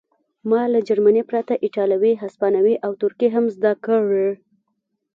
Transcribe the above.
ما له جرمني پرته ایټالوي هسپانوي او ترکي هم زده کړې